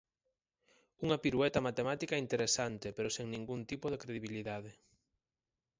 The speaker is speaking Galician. Unha pirueta matemática interesante, pero sen ningún tipo de credibilidade.